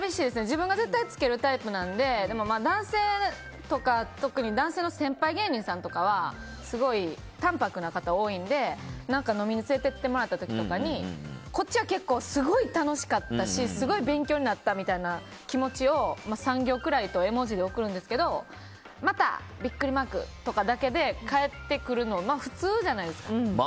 自分が絶対つけるタイプなので男性とか特に男性の先輩芸人さんとかはすごい淡泊な方が多いので飲みにつれて行ってもらった時とかにこっちはすごい楽しかったしすごい勉強になったみたいな気持ちを３行くらいと絵文字で送るんですけどまた！とかだけで返ってくるの普通じゃないですか。